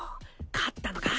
勝ったのか？